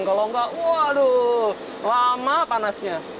kalau enggak waduh lama panasnya